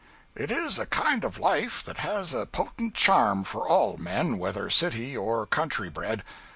It is a kind of life that has a potent charm for all men, whether city or country bred.